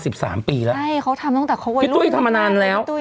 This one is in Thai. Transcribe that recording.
ใช่เขาทำตั้งแต่เขาไว้ร่วมพี่ตุ๊ยเนี่ยพี่ตุ๊ยเนี่ยพี่ตุ๊ยทำมานานแล้ว